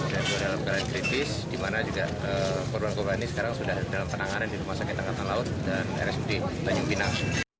dan sudah dalam keadaan kritis di mana juga korban korban ini sekarang sudah dalam penanganan di rumah sakit angkatan laut dan rsud tanjung pinang